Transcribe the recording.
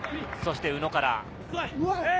そして宇野から。